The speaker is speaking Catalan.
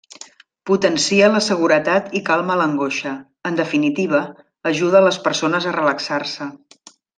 Potencia la seguretat i calma l'angoixa: en definitiva, ajuda a les persones a relaxar-se.